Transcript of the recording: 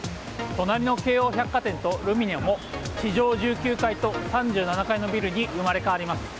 隣の京王百貨店とルミネも地上１９階と３７階のビルに生まれ変わります。